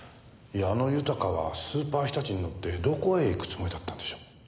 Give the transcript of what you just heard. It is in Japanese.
矢野豊はスーパーひたちに乗ってどこへ行くつもりだったんでしょう？